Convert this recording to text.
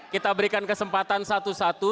kita berikan kesempatan satu satu